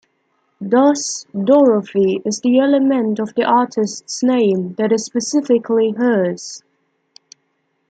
Thus 'Dorothy' is the element of the artist's name that is specifically hers.